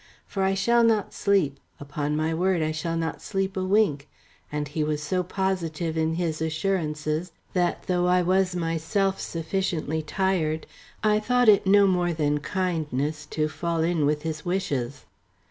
For I shall not sleep, upon my word I shall not sleep a wink," and he was so positive in his assurances that, though I was myself sufficiently tired, I thought it no more than kindness to fall in with his wishes.